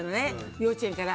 幼稚園から。